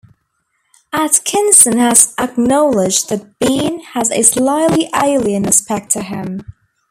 Atkinson has acknowledged that Bean "has a slightly alien aspect to him".